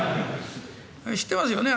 知ってますよね